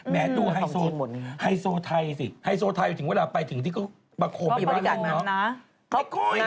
แม้ดูไฮโซไทยสิไฮโซไทยถึงเวลาไปถึงที่ก็ประโคมไปบ้านเนอะไอ้ก้อย